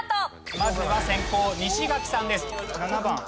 まずは先攻西垣さんです。